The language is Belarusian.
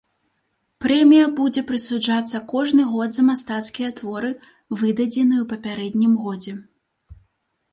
Прэмія будзе прысуджацца кожны год за мастацкія творы, выдадзеныя ў папярэднім годзе.